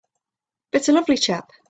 But a lovely chap!